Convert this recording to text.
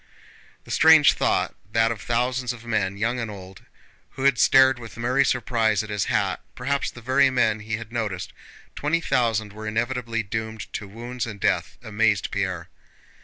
The strange thought that of the thousands of men, young and old, who had stared with merry surprise at his hat (perhaps the very men he had noticed), twenty thousand were inevitably doomed to wounds and death amazed Pierre.